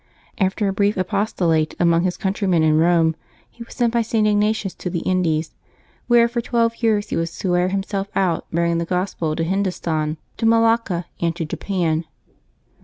After a brief apos tolate amongst his countrymen in Pome he was sent by St. Ignatius to the Indies, where for twelve years he was to wear himself out, bearing the Gospel to Hindostan, to Malacca, and to Japan.